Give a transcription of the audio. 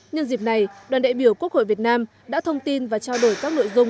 nhân dịp này đoàn đại biểu quốc hội việt nam đã thông tin và trao đổi các nội dung